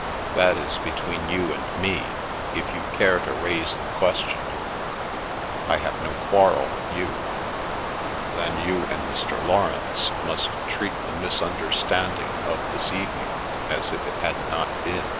"That is between you and me. If you care to raise the question I have no quarrel with you." "Then you and Mr. Laurence must treat the misunderstanding of this evening as if it had not been.